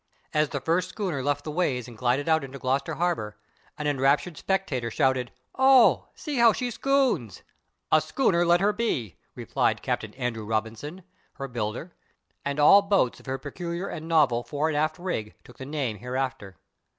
As the first schooner left the ways and glided out into Gloucester harbor, an enraptured spectator shouted: "Oh, see how she scoons!" "A /scooner/ let her be!" replied Captain Andrew Robinson, her [Pg048] builder and all boats of her peculiar and novel fore and aft rig took the name thereafter.